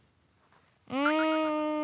うん。